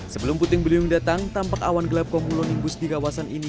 sebelum puting beliung datang tampak awan gelap komulonimbus di kawasan ini